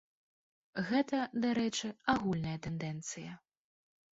Гэта, дарэчы, агульная тэндэнцыя.